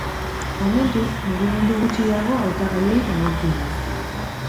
Momentuz, mugimendu gutxi dago hautagaiei dagokienez.